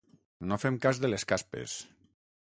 No fem cas de les caspes.